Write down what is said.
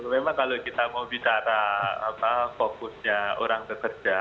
memang kalau kita mau bicara fokusnya orang bekerja